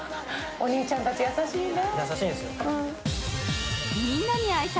お兄ちゃんたち、優しいね。